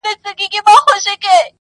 د ښار کوڅې به وي لښکر د ابوجهل نیولي،